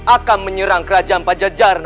akan menyerang kerajaan pajajaran